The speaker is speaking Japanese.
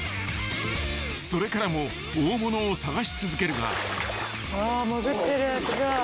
［それからも大物を探し続けるが］